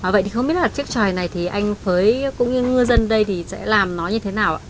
vậy thì không biết là chiếc tròi này thì anh phới cũng như ngư dân đây thì sẽ làm nó như thế nào ạ